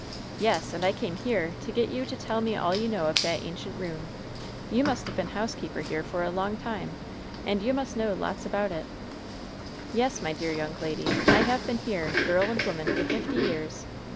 "Yes, and I came here to get you to tell me all you know of that ancient ruin. You have been housekeeper here for a long time, and you must know lots about it" "Yes, my dear young lady, I have been here, girl and woman, for fifty years.